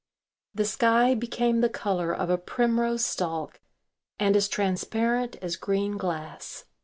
The sky became the colour of a primrose stalk and as transparent as green glass.